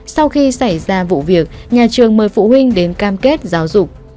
sau khi xảy ra vụ việc nhà trường mời phụ huynh đến cam kết giáo dục